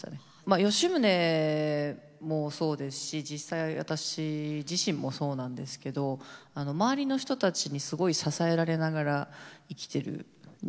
吉宗もそうですし実際私自身もそうなんですけど周りの人たちにすごい支えられながら生きてる人間なんですよね。